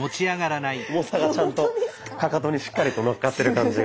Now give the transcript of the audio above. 重さがちゃんとかかとにしっかりと乗っかってる感じが。